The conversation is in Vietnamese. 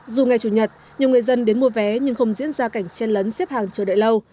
dù ngày chủ nhật nhiều người dân đến mua vé nhưng không diễn ra cảnh chen lấn xếp hàng chờ đợi lâu